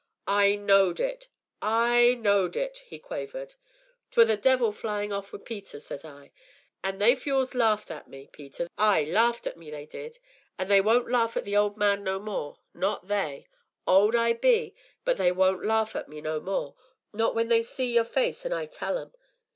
"I knowed it! I knowed it!" he quavered. "'Twere the devil flyin' off wi' Peter,' says I, an' they fules laughed at me, Peter, ay, laughed at me they did, but they won't laugh at the old man no more not they; old I be, but they won't laugh at me no more, not when they see your face an' I tell 'em."